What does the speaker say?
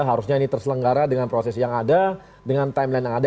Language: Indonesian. harusnya ini terselenggara dengan proses yang ada dengan timeline yang ada